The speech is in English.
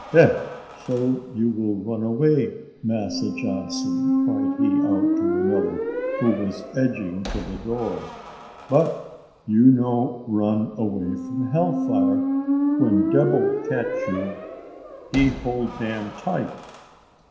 Eh! so you will run away, Massa Johnson," cried he out to another, who was edging to the door; "but you no run away from hell fire; when debil catch you he hold dam tight.